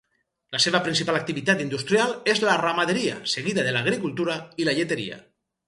La seva principal activitat industrial és la ramaderia, seguida de l'agricultura i la lleteria.